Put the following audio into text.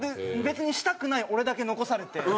別にしたくない俺だけ残されて。